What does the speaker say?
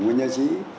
nguyên nhân trí